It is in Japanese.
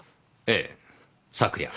ええ昨夜。